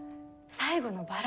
最後のバラ？